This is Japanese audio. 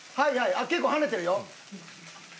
あっ結構跳ねてるよ。